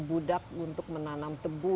budak untuk menanam tebu